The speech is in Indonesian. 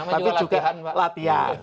tapi juga latihan